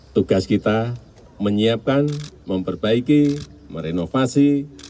tugas kita menyiapkan memperbaiki merenovasi